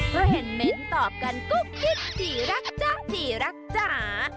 พอเห็นเม้นตอบกันก็กินดีรักจ้า